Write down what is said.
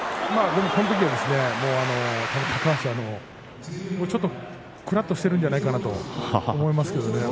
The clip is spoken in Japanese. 高橋はちょっとくらっとしているんじゃないかと思いますけどね。